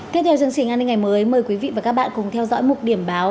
tiếp theo chương trình an ninh ngày mới mời quý vị và các bạn cùng theo dõi một điểm báo